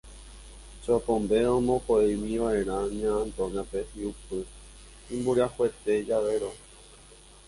Chopombe omoko'ẽmiva'erã Ña Antonia-pe hi'upy imboriahuete javérõ.